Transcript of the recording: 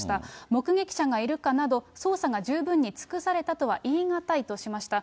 目撃者がいるかなど、捜査が十分に尽くされたとは言い難いとしました。